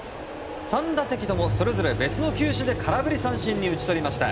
３打席ともそれぞれ別の球種で空振り三振に打ち取りました。